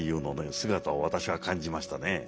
姿を私は感じましたね。